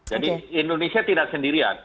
jadi indonesia tidak sendirian